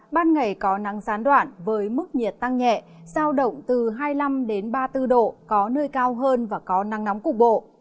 ban ngày có nắng gián đoạn với mức nhiệt tăng nhẹ sao động từ hai mươi năm ba mươi bốn độ có nơi cao hơn và có nắng nóng cục bộ